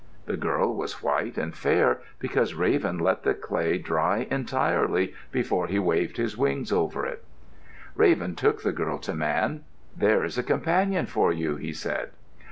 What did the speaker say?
The girl was white and fair because Raven let the clay dry entirely before he waved his wings over it. Raven took the girl to Man. "There is a companion for you," he said.